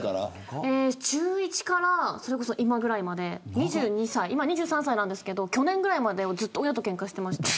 中１から今ぐらいまで今、２３歳なんですけれど去年ぐらいまでずっと親とけんかしてました。